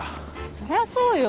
そりゃそうよ。